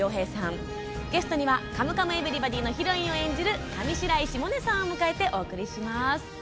そしてゲストに「カムカムエヴリバディ」のヒロインを演じる上白石萌音さんを迎えてお送りします。